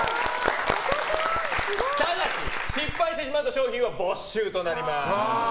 ただし、失敗してしまうと賞品は没収となります！